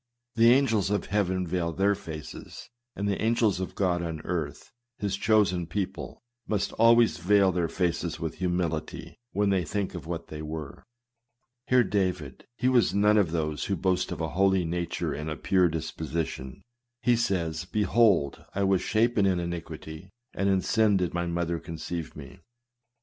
The angels of heaven veil their faces; and the angels of God on earth, his chosen people, must always veil their faces with humility, when they think of what they were. Hear David : he was none of those who boast of a holy nature and a pure disposition. He says, " Behold, I was shapen in iniquity; and in sin did my mother conceive me."